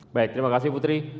baik terima kasih putri